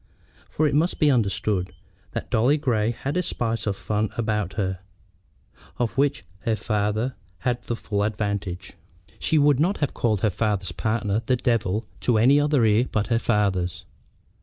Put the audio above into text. For it must be understood that Dolly Grey had a spice of fun about her, of which her father had the full advantage. She would not have called her father's partner the "Devil" to any other ear but her father's.